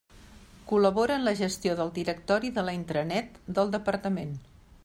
Col·labora en la gestió del directori de la intranet del Departament.